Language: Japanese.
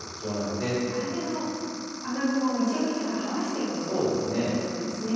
相手の穴熊を一枚一枚剥がしていくのが大事なんですね。